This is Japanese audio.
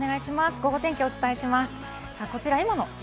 「ゴゴ天気」をお伝えします。